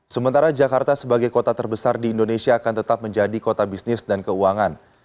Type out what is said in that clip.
sementara jakarta sebagai kota terbesar di indonesia akan tetap menjadi kota bisnis dan keuangan